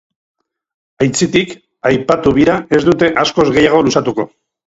Aitzitik, aipatu bira ez dute askoz gehiago luzatuko.